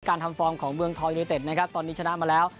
ทำฟอร์มของเมืองทองยูนิเต็ดนะครับตอนนี้ชนะมาแล้ว